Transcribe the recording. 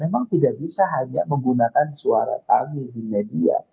memang tidak bisa hanya menggunakan suara kami di media